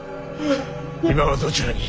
今はどちらに。